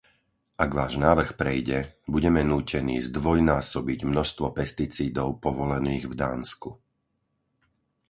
Ak váš návrh prejde, budeme nútení zdvojnásobiť množstvo pesticídov povolených v Dánsku.